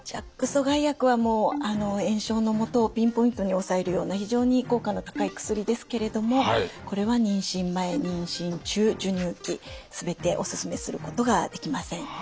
ＪＡＫ阻害薬はもう炎症のもとをピンポイントに抑えるような非常に効果の高い薬ですけれどもこれは妊娠前妊娠中授乳期全ておすすめすることができません。